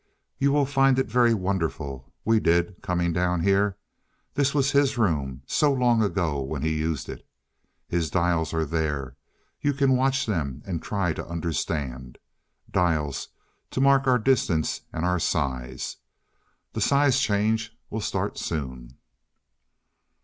"You will find it very wonderful we did, coming down here. This was his room so long ago when he used it. His dials are there you can watch them and try to understand. Dials to mark our distance and our size. The size change will start soon."